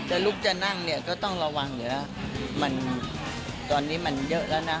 ลุกจะนั่งเนี่ยก็ต้องระวังอยู่แล้วมันตอนนี้มันเยอะแล้วนะ